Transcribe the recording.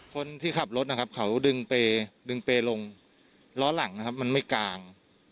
คนที่ขับรถนะครับเขาดึงเปย์ดึงเปรย์ลงล้อหลังนะครับมันไม่กลาง